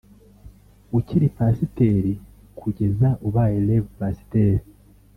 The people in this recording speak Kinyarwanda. ukiri Pasiteri kugeza ubaye Rev Pasiteri